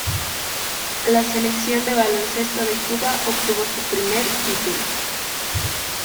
La selección de baloncesto de Cuba obtuvo su primer título.